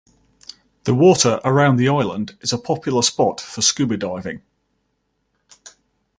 The water around the island is a popular spot for scuba diving.